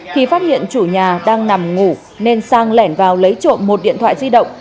thì phát hiện chủ nhà đang nằm ngủ nên sang lẻn vào lấy trộm một điện thoại di động